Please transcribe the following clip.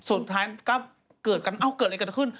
สุดท้ายก็เกิดกันเอ้าเกิดอะไรกันขึ้น